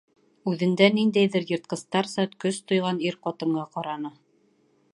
Үҙендә ниндәйҙер йыртҡыстарса көс тойған ир ҡатынға ҡараны: